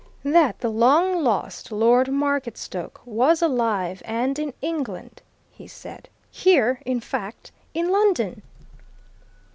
"That the long lost Lord Marketstoke was alive and in England!" he said. "Here, in fact, in London!"